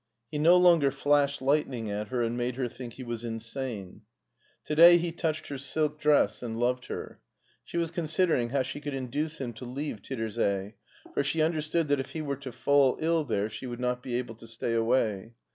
He no longer flashed lightning at her and made her think he was insane. To day he touched her silk dress and loved her. She was considering how she could induce him to leave Tittersee, for she understood that if he were to fall ill there she would not be able to stay away.